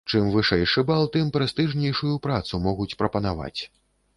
Чым вышэйшы бал, тым прэстыжнейшую працу могуць прапанаваць.